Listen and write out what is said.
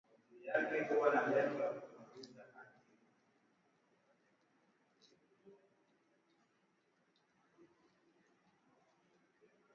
Kama tuna tumika sana tuta vuna tena sana